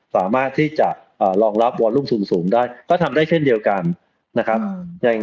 สามารถที่จะรองรับวอลลูกสูงได้ก็ทำได้เช่นเดียวกันนะครับ